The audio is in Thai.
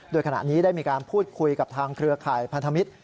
โดยขณะนี้ได้มีการพูดคุยกับทางเครือข่ายพันธมิตร